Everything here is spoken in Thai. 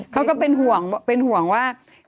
เขาก็เป็นห่วงว่า